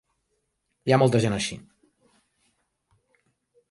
Hi ha molta gent així.